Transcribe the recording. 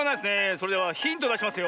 それではヒントだしますよ。